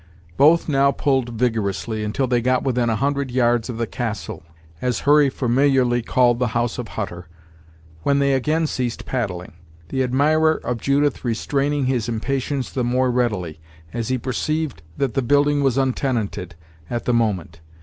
Both now pulled vigorously until they got within a hundred yards of the "castle," as Hurry familiarly called the house of Hutter, when they again ceased paddling; the admirer of Judith restraining his impatience the more readily, as he perceived that the building was untenanted, at the moment.